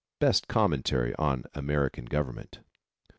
Best commentary on American Government.